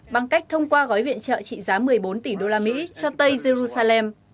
bằng cách thông qua gói viện trợ trị giá một mươi bốn tỷ usd cho tây jerusalem